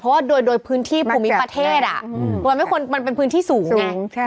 เพราะว่าโดยพื้นที่ภูมิประเทศมันเป็นพื้นที่สูงไง